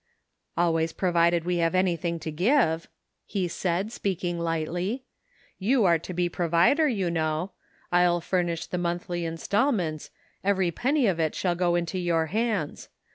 "Always provided we have anything to give," he said, speaking lightly; " you are to be provider, you know ; I'll furnish the monthly installments; every penny of it shall go into your hands.